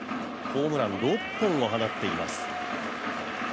ホームラン６本を放っています。